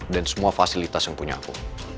dan semua fasilitas yang punya aku